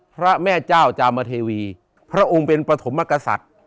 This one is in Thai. พระแม่เจ้าจามเทวีพระองค์เป็นปฐมกษัตริย์